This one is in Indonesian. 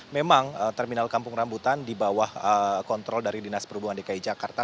memang terminal kampung rambutan di bawah kontrol dari dinas perhubungan dki jakarta